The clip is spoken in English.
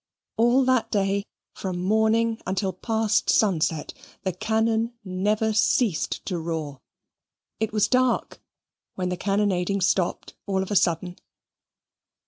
All that day from morning until past sunset, the cannon never ceased to roar. It was dark when the cannonading stopped all of a sudden.